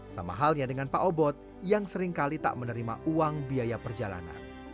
sama halnya dengan pak obot yang seringkali tak menerima uang biaya perjalanan